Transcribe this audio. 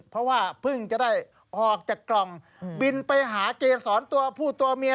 เพราะว่าเพิ่งจะได้ออกจากกล่องบินไปหาเจสอนตัวผู้ตัวเมีย